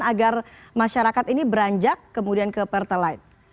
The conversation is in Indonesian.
agar masyarakat ini beranjak kemudian ke pertalite